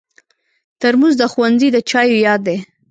ترموز د ښوونځي د چایو یاد دی.